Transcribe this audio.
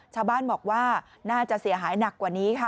ชาวบ้านบอกว่าน่าจะเสียหายหนักกว่านี้ค่ะ